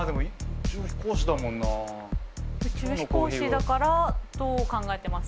宇宙飛行士だからどう考えてます？